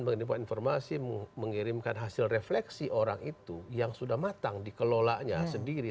mengirimkan informasi mengirimkan hasil refleksi orang itu yang sudah matang dikelolanya sendiri